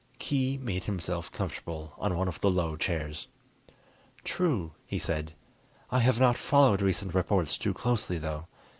Khee made himself comfortable on one of the low chairs. "True," he said. "I have not followed recent reports too closely, though.